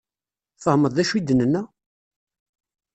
Tfehmeḍ d acu i d-nenna?